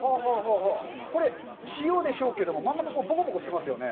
これ、塩でしょうけれども、真ん中がぼこぼこしてますよね。